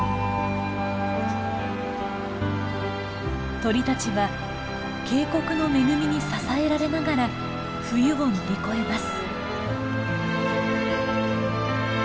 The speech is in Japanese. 鳥たちは渓谷の恵みに支えられながら冬を乗り越えます。